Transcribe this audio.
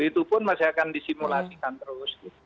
itu pun masih akan disimulasikan terus